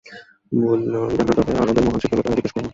বললাম, আমি জানি না, তবে আরবের মহান শিক্ষিত লোকটির কাছে জিজ্ঞাসা করব।